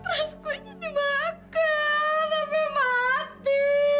terus kuenya dimakan sampai mati